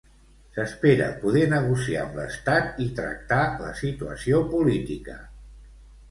S'espera poder negociar amb l'Estat i tractar la situació política.